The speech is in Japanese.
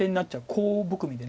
コウ含みで。